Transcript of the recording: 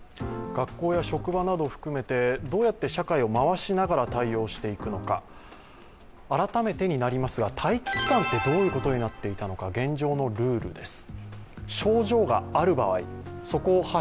学校や職場など含めてどうやって社会を回しながら対応していくのか、改めてになりますが待機期間とはどういうことになっていたのか、現状のルールです。